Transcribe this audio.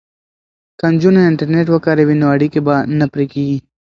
که نجونې انټرنیټ وکاروي نو اړیکې به نه پرې کیږي.